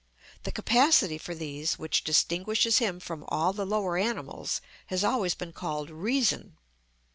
The capacity for these, which distinguishes him from all the lower animals, has always been called reason.